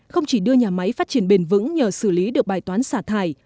không chỉ đưa nhà máy phát triển bền vững nhờ xử lý được bài toán xả thải